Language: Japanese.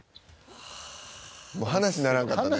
もう話にならんかったね。